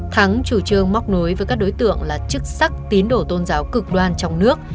thắng chủ trương móc nối với các đối tượng là chức sắc tín đổ tôn giáo cực đoan trong nước